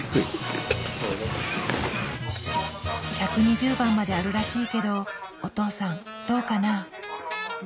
１２０番まであるらしいけどお父さんどうかな？